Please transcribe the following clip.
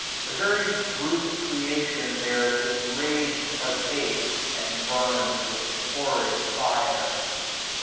The very brute creation there This rage partakes, and bums with horrid fire.